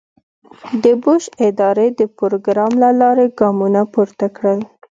د بوش ادارې د پروګرام له لارې ګامونه پورته کړل.